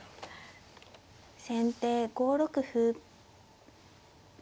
先手５六歩。